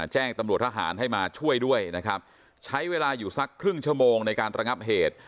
แจ้งตำรวจทหารให้มาช่วยด้วยนะครับใช้เวลาอยู่สักครึ่งชั่วโมงในการระงับเหตุ